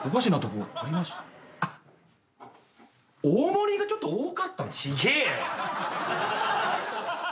大盛りがちょっと多かったのかな？